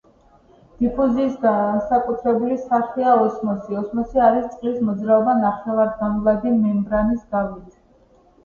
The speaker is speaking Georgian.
დიფუზიის განსაკუთრებული სახეა ოსმოსი. ოსმოსი არის წყლის მოძრაობა ნახევრადგანვლადი მემბრანის გავლით.